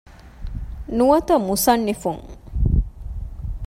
ނުވަތަ މުޞައްނިފުން